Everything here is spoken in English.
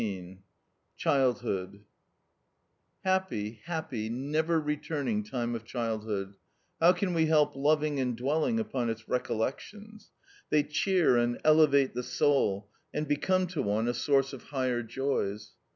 XV CHILDHOOD HAPPY, happy, never returning time of childhood! How can we help loving and dwelling upon its recollections? They cheer and elevate the soul, and become to one a source of higher joys.